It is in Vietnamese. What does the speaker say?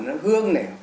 hoa hồng này